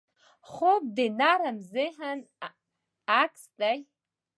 خوب د نرم ذهن عکس دی